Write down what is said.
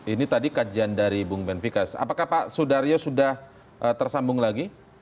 ini tadi kajian dari bung benvikas apakah pak sudaryo sudah tersambung lagi